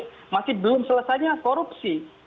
karena masih belum selesai dengan korupsi